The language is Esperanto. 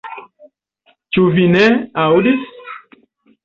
Ĉu vi ne aŭdis?